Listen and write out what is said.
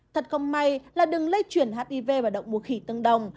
thật không may là đường lây chuyển hiv và động mùa khỉ tương đồng